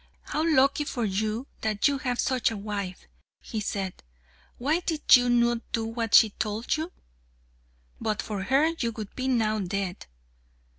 "How lucky for you that you have such a wife," he said. "Why did you not do what she told you? But for her, you would be now dead."